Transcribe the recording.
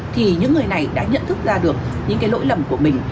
thì những người này đã nhận thức ra được những cái lỗi lầm của mình